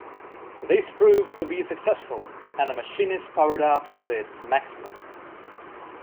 This proves to be successful and the machine is powered up to its maximum.